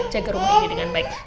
jaga rumah diri dengan baik